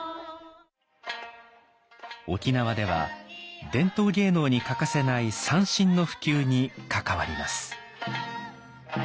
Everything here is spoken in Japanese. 沖縄では伝統芸能に欠かせない三線の普及に関わります。